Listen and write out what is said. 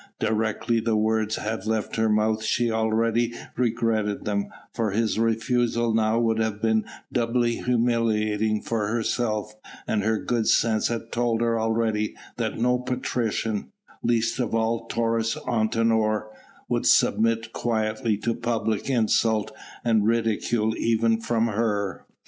Directly the words had left her mouth, she already regretted them, for his refusal now would have been doubly humiliating for herself, and her good sense had told her already that no patrician least of all Taurus Antinor would submit quietly to public insult and ridicule even from her.